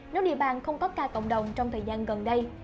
nếu địa bàn không có ca cộng đồng trong thời gian gần đây